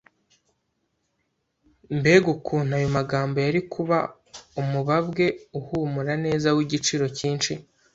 Mbega ukuntu ayo magambo yari kuba umubabwe uhumura neza w'igiciro cyinshi